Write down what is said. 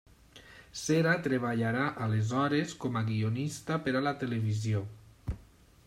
Cera treballarà aleshores com a guionista per a la televisió.